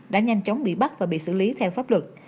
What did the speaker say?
đã nhanh chóng bị bắt và bị xử lý theo pháp luật